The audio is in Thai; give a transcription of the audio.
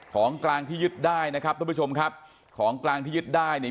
ของกลางที่ยึดได้นะครับทุกผู้ชมครับของกลางที่ยึดได้เนี่ย